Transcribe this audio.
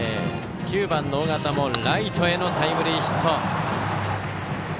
９番の尾形もライトへのタイムリーヒット。